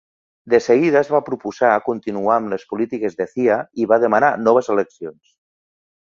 De seguida es va proposar continuar amb les polítiques de Zia i va demanar noves eleccions.